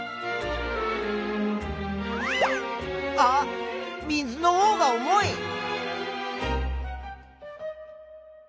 あっ水のほうが重い！